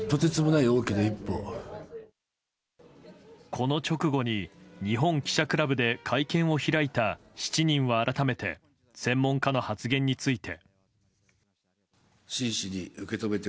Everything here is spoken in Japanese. この直後に日本記者クラブで会見を開いた７人は改めて専門家の発言について。